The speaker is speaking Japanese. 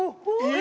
え！？